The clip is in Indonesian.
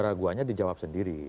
raguannya dijawab sendiri